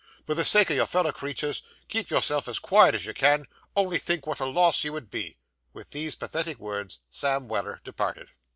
For the sake o' your feller creeturs, keep yourself as quiet as you can; only think what a loss you would be!' With these pathetic words, Sam Weller departed.